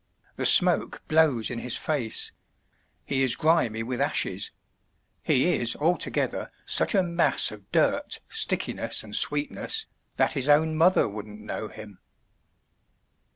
The smoke blows in his face; he is grimy with ashes; he is altogether THE TREASURE CHEST such a mass of dirt, stickiness, and sweetness, that his own mother wouldn't know him.